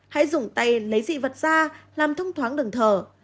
hãy dùng tay lấy dị vật ra làm thông thoáng đường thở